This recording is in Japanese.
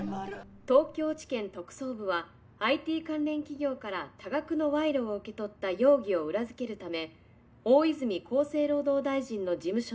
「東京地検特捜部はＩＴ関連企業から多額の賄賂を受け取った容疑を裏づけるため大泉厚生労働大臣の事務所に家宅捜索に入りました」